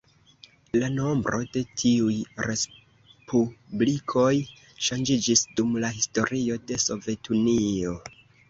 La nombro de tiuj respublikoj ŝanĝiĝis dum la historio de Sovetunio.